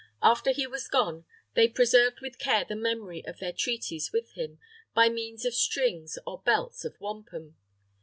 After he was gone, they preserved with care the memory of their treaties with him, by means of strings or belts of wampum.